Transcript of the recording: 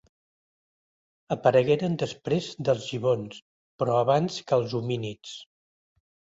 Aparegueren després dels gibons, però abans que els homínids.